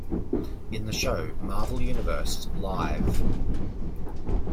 In the show Marvel Universe Live!